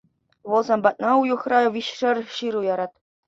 Вӑл сан патна уйӑхра виҫшер ҫыру ярать.